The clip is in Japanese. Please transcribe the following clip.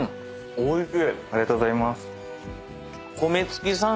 ありがとうございます。